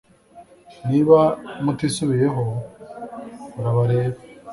niba mutisubiyeho birabareba